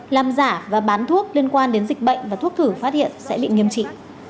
làm giả và bán thuốc liên quan đến dịch bệnh và thuốc thử phát hiện sẽ bị nghiêm trị